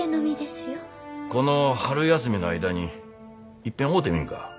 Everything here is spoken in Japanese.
この春休みの間にいっぺん会うてみんか？